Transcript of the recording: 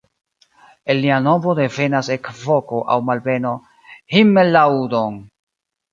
El lia nomo devenas ekvoko aŭ malbeno "himmellaudon!